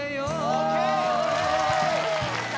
ＯＫ！